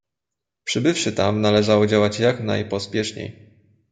"Przybywszy tam, należało działać jak najpospieszniej."